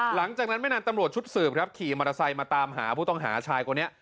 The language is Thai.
หลังจากนั้นไม่นานตำรวจชุดสืบครับขี่มอเตอร์ไซค์มาตามหาผู้ต้องหาชายคนนี้